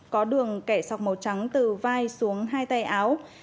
có đường kẻ sọc màu trắng từ vai xuống hai tay áo